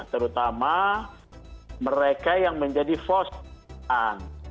terutama mereka yang menjadi fosan